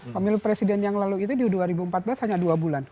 pemilu presiden yang lalu itu di dua ribu empat belas hanya dua bulan